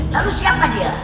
lalu siapa dia